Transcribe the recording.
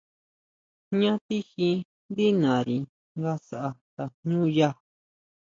¿Jñá tijí ndí nari nga sʼá tajñúya?